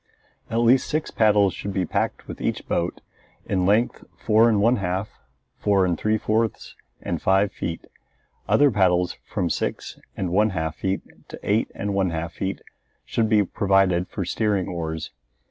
At least six paddles should be packed with each boat, in length four and one half, four and three fourths, and five feet. Other paddles from six and one half feet to eight and one half feet should be provided for steering oars.